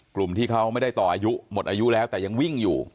กลุ่มที่เขาไม่ได้ต่ออายุหมดอายุแล้วแต่ยังวิ่งอยู่